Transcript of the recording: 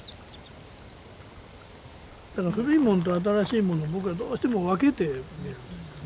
だから古いものと新しいものを僕らどうしても分けて見るんですよね。